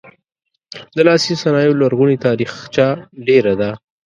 د لاسي صنایعو لرغونې تاریخچه ډیره ده.